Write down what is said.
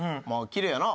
きれいやな。